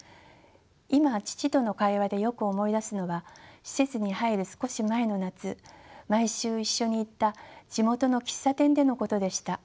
今父との会話でよく思い出すのは施設に入る少し前の夏毎週一緒に行った地元の喫茶店でのことでした。